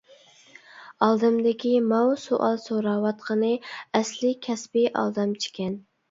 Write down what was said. ئالدىمدىكى ماۋۇ سوئال سوراۋاتقىنى ئەسلى كەسپىي ئالدامچىكەن!